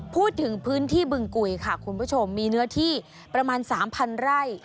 พื้นที่บึงกุยค่ะคุณผู้ชมมีเนื้อที่ประมาณ๓๐๐ไร่